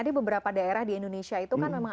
di beberapa daerah di indonesia itu kan memang